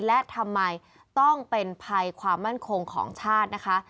และทำไมต้องเป็นภัยความมั่นคงของชาตินะคะ